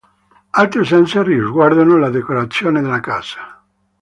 Altre usanze riguardano la decorazione della casa.